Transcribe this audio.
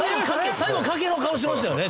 最後賭けの顔してましたよね？